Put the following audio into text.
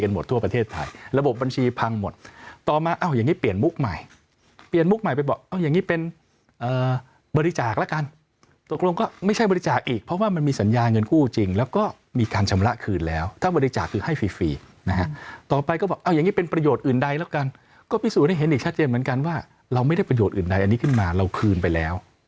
เหมือนกันว่าเราไม่ได้ประโยชน์อื่นใดอันนี้ขึ้นมาเราคืนไปแล้ว